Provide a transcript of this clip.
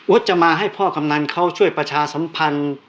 จะมาให้พ่อกำนันเขาช่วยประชาสัมพันธ์